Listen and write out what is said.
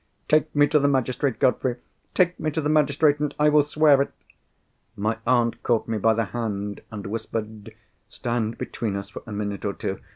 _ Take me to the magistrate, Godfrey! Take me to the magistrate, and I will swear it!" My aunt caught me by the hand, and whispered, "Stand between us for a minute or two.